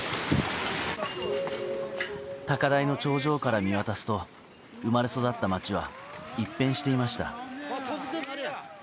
高台の頂上から見渡すと生まれ育った町は一変していました。